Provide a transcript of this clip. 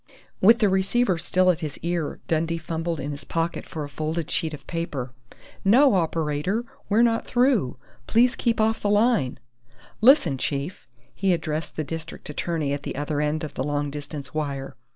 With the receiver still at his ear, Dundee fumbled in his pocket for a folded sheet of paper. "No, operator! We're not through! Please keep off the line.... Listen, chief!" he addressed the district attorney at the other end of the long distance wire.